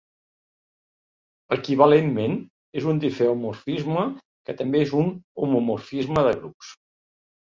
Equivalentment, és un difeomorfisme que és també un homomorfisme de grups.